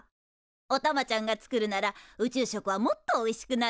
おたまちゃんが作るなら宇宙食はもっとおいしくなるわね。